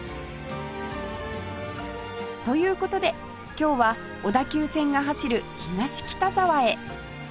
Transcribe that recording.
という事で今日は小田急線が走る東北沢へ